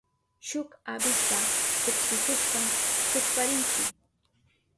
Shuk avispa tuksihushpan kuchparinchi.